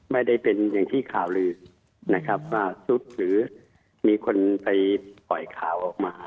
ไม่ได้เป็นอย่างที่ข่าวลือนะครับว่าซุดหรือมีคนไปปล่อยข่าวออกมา